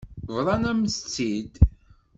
Bḍan-am-tt-id.